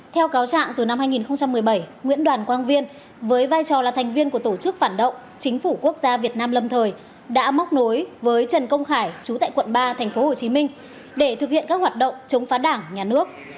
theo cáo trạng từ năm hai nghìn một mươi bảy nguyễn đoàn quang viên với vai trò là thành viên của tổ chức phản động chính phủ quốc gia việt nam lâm thời đã móc nối với trần công khải chú tại quận ba tp hcm để thực hiện các hoạt động chống phá đảng nhà nước